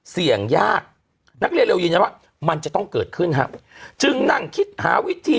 เสี่ยงยากนักเรียนเร็วยืนยันว่ามันจะต้องเกิดขึ้นฮะจึงนั่งคิดหาวิธี